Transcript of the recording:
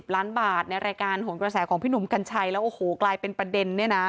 ล้านบาทในรายการหนกระแสของพี่หนุ่มกัญชัยแล้วโอ้โหกลายเป็นประเด็นเนี่ยนะ